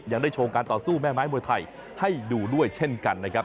ยังได้โชว์การต่อสู้แม่ไม้มวยไทยให้ดูด้วยเช่นกันนะครับ